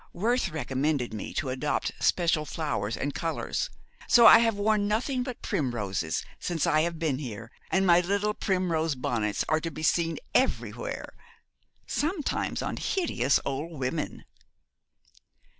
Worth recommended me to adopt special flowers and colours; so I have worn nothing but primroses since I have been here, and my little primrose bonnets are to be seen everywhere, sometimes on hideous old women.